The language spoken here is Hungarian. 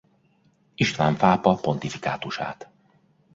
István pápa pontifikátusát.